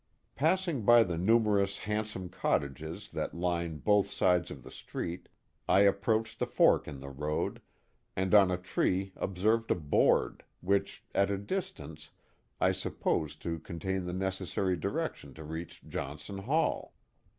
Passing by the numerous handsome cottages that line both sides of the street, I approached a fork in the road, and on a tree observed a board, which, at a distance, I supposed to con tain the necessary direction to reach Johnson Hall.